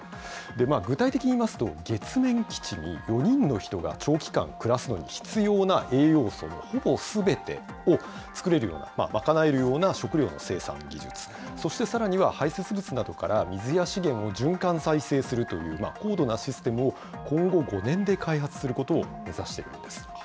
具体的に言いますと、月面基地に５人の人が長期間暮らすのに必要な栄養素のほぼすべてを作れるような、賄えるような食料の生産技術、そしてさらには、排せつ物などから水や資源を循環再生するという、高度なシステムを今後５年で開発することを目指しているんです。